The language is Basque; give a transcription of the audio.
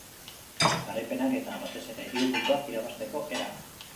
Garaipenak eta, batez ere, hiru puntuak irabazteko erak.